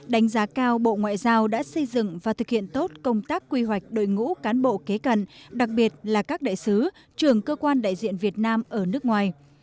đánh giá cao bộ ngoại giao đã xây dựng và thực hiện tốt công tác quy hoạch đội ngũ cán bộ kế cận đặc biệt là các đại sứ trưởng cơ quan đại diện việt nam ở nước ngoài